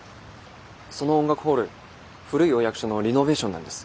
その音楽ホール古いお役所のリノベーションなんです。